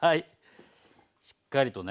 しっかりとね